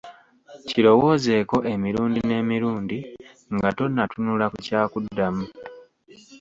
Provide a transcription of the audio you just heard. Kirowoozeeko emirundi n'emirundi nga tonnatunula ku kyakuddamu.